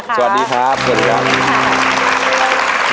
คุณสังเวียนคุณแจ็คนะคะสวัสดีนะคะ